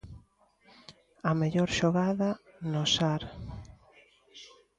A mellor xogada no Sar.